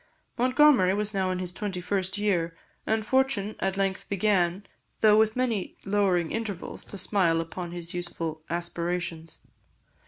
Montgomery was now in his twenty first year, and fortune at length began, though with many lowering intervals, to smile upon his youthful aspirations.